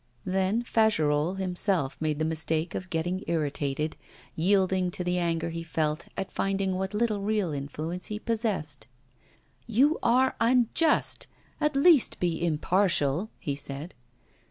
Then Fagerolles himself made the mistake of getting irritated, yielding to the anger he felt at finding what little real influence he possessed. 'You are unjust; at least, be impartial,' he said.